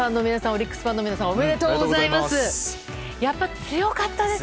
オリックスファンの皆さんおめでとうございます。